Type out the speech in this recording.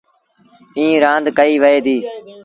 ايٚئيٚن رآند ڪئيٚ وهي ديٚ۔